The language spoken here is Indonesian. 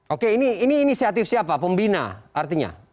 oke ini inisiatif siapa pembina artinya